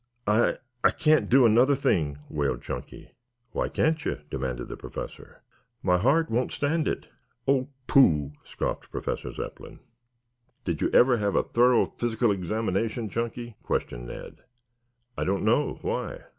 "I I can't do another thing," wailed Chunky. "Why can't you?" demanded the Professor. "My heart won't stand it." "Oh, pooh!" scoffed Professor Zepplin. "Did you ever have a thorough physical examination, Chunky?" questioned Ned. "I don't know. Why?"